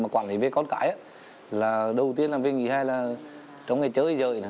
quản lý về con cái là đầu tiên làm việc nghỉ hay là trong ngày chơi rời